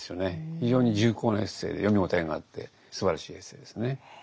非常に重厚なエッセイで読み応えがあってすばらしいエッセイですね。